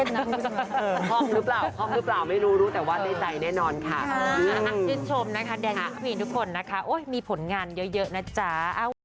ห้องหรือเปล่าห้องหรือเปล่าไม่รู้รู้แต่ว่าในใจแน่นอนค่ะ